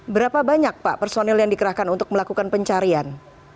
berapa banyak pak personil yang dikerahkan untuk melakukan pencarian